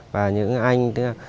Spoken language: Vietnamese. và những anh